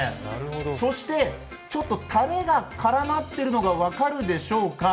そして、ちょっとたれが絡まってるのが分かるでしょうか。